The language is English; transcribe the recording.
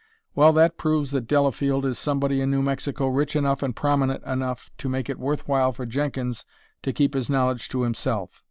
Well, that proves that Delafield is somebody in New Mexico rich enough and prominent enough to make it worth while for Jenkins to keep his knowledge to himself.